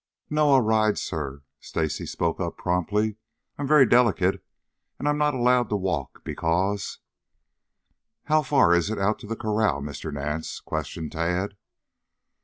"No, I'll ride, sir," spoke up Stacy promptly. "I'm very delicate and I'm not allowed to walk, because " "How far is it out to the corral, Mr. Nance?" questioned Tad.